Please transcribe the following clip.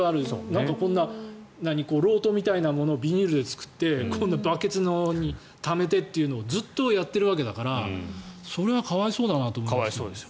なんか漏斗みたいなものをビニールで作ってこんなバケツにためてというのをずっとやってるわけだからそれは可哀想だなと思います。